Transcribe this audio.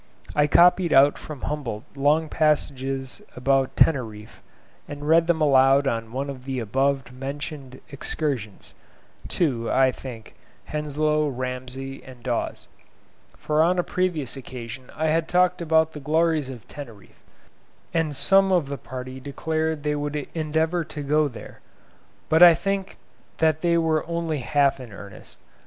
I copied out from Humboldt long passages about Teneriffe, and read them aloud on one of the above mentioned excursions, to (I think) Henslow, Ramsay, and Dawes, for on a previous occasion I had talked about the glories of Teneriffe, and some of the party declared they would endeavour to go there; but I think that they were only half in earnest.